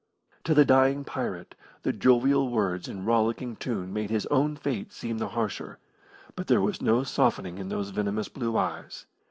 To the dying pirate the jovial words and rollicking tune made his own fate seem the harsher, but there was no softening in those venomous blue eyes.